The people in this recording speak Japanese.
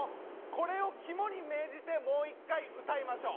これを肝に銘じてもう一回歌いましょう。